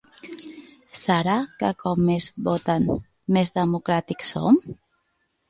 Serà que com més voten, més democràtics som?